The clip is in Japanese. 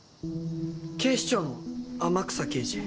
警視庁の天草刑事。